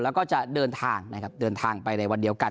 แล้วก็จะเดินทางนะครับเดินทางไปในวันเดียวกัน